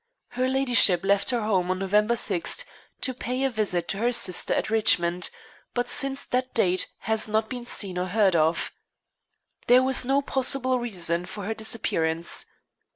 Her ladyship left her home on November 6th to pay a visit to her sister at Richmond, and since that date has not been seen or heard of. There was no possible reason for her disappearance.